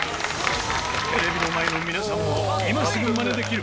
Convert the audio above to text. テレビの前の皆さんも今すぐマネできる！